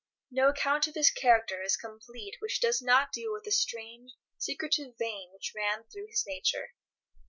No account of his character is complete which does not deal with the strange, secretive vein which ran through his nature.